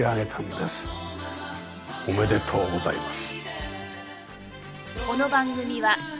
おめでとうございます。